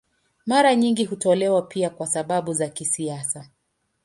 Mara nyingi hutolewa pia kwa sababu za kisiasa.